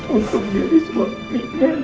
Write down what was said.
untuk nyaris mampi